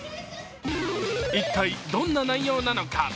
一体どんな内容なのか。